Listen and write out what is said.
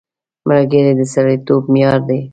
ملګری د سړیتوب معیار دی